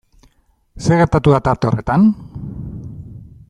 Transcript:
Zer gertatu da tarte horretan?